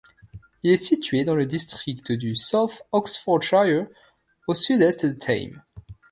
Il est situé dans le district du South Oxfordshire, au sud-est de Thame.